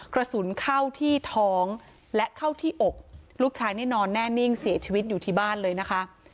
กระสุนเข้าที่ท้องและเข้าที่อกลูกชายนี่นอนแน่นิ่งเสียชีวิตอยู่ที่บ้านเลยนะคะ